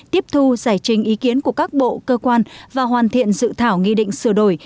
tiếp thu giải trình ý kiến của các bộ cơ quan và hoàn thiện dự thảo nghị định sửa đổi